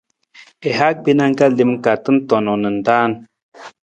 I ha gbena ka lem ka tantong na raan.